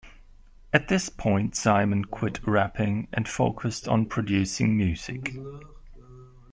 At this point, Simon quit rapping and focused on producing music.